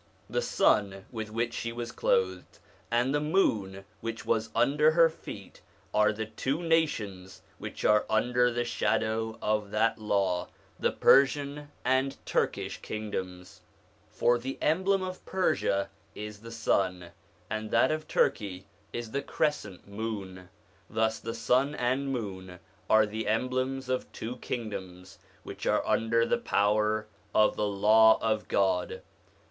The sun with which she was clothed, and the moon which was under her feet, are the two nations which are under the shadow of that Law, the Persian and Turkish kingdoms; for the emblem of Persia is the sun, and that of Turkey is the crescent moon : thus the sun and moon are the emblems of two kingdoms which are under the power of the Law of God.